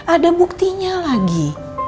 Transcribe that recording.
ada buktinya lagi